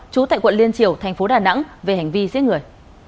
chú tại quận liên triều tp đà nẵng về hành vi giết người